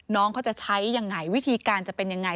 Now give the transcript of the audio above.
น้องเขาจะใช้ยังไงวิธีการจะเป็นยังไง